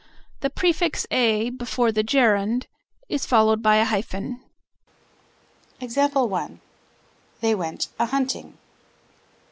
The prefix "a" before the gerund is followed by a hyphen. They went a hunting.